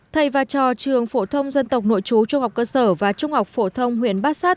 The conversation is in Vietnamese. thầy và trò trường phổ thông dân tộc nội chú trung học cơ sở và trung học phổ thông huyện bát sát